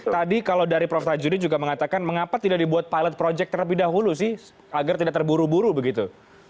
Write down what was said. tadi kalau dari prof tajudi juga mengatakan mengapa tidak dibuat pilot project terlebih dahulu sih agar tidak terburu buru begitu